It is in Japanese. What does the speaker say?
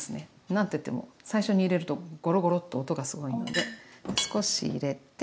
何と言っても最初に入れるとゴロゴロッと音がすごいので少し入れて。